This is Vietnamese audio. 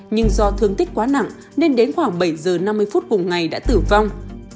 nhưng do thương tích quá nặng nên đến khoảng bảy giờ năm mươi phút cùng ngày đã tử vong